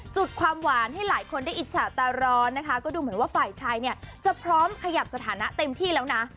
จุดความหวานให้หลายคนได้อิจฉาตาร้อนนะคะก็ดูเหมือนว่าฝ่ายชายเนี่ยจะพร้อมขยับสถานะเต็มที่แล้วนะ